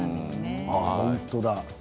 本当だ。